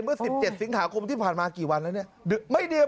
เมื่อ๑๗สิงหาคมที่ผ่านมากี่วันแล้วเนี่ย